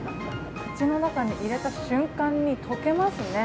口の中に入れた瞬間に溶けますね。